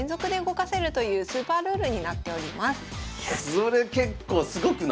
それ結構すごくない？